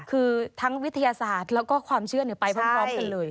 คือทั้งวิทยาศาสตร์แล้วก็ความเชื่อไปพร้อมกันเลย